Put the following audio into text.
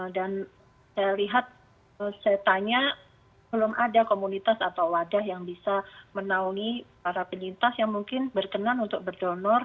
dan saya lihat saya tanya belum ada komunitas atau wadah yang bisa menaungi para penyintas yang mungkin berkenan untuk berdonor